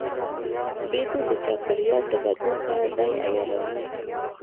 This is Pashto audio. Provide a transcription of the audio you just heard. بیزو د چاپېریال د بدلون سره ځان عیاروي.